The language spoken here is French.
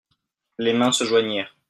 Les mains se joignirent.